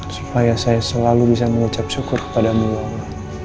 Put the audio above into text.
supaya saya selalu bisa mengucap syukur kepadamu allah